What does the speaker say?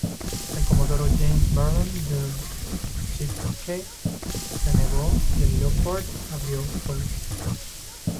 El comodoro James Barron del" Chesapeake" se negó, y el "Leopard" abrió fuego.